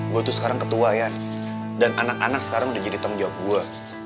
gue tuh sekarang ketua ya dan anak anak sekarang udah jadi tanggung jawab gue